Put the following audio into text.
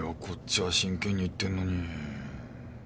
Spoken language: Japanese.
こっちは真剣に言ってるのに。